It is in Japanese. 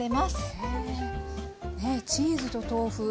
へえねえチーズと豆腐。